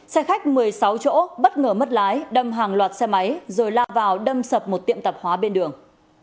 xe khách một mươi sáu chỗ bất ngờ mất lái đâm hàng loạt xe máy rồi la vào đâm sập một tiệm tạp hóa bên đường